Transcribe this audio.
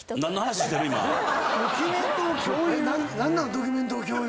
「ドキュメントを共有」